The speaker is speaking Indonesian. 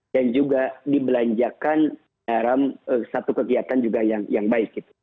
dan juga dibelanjakan dalam satu kegiatan yang baik